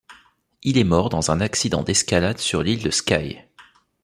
Il est mort dans un accident d'escalade sur l'île de Skye.